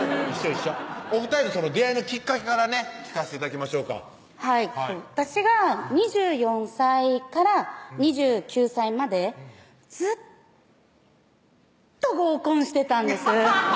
一緒お２人の出会いのきっかけからね聞かせて頂きましょうかはい私が２４歳から２９歳までずーっと合コンしてたんです